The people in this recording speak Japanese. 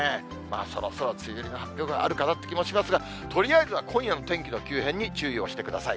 そろそろ梅雨入りの発表があるかなという気もしますが、とりあえずは今夜の天気の急変に注意をしてください。